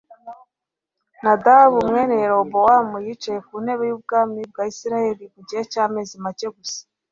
Nadabu mwene Yerobowamu yicaye ku ntebe yubwami bwa Isirayeli mu gihe cyamezi make gusa